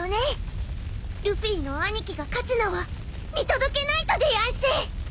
ルフィの兄貴が勝つのを見届けないとでやんす！